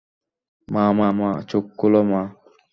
মা মা, মা, চোখ খোল, মা।